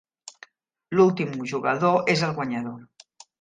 L'últim jugador és el guanyador.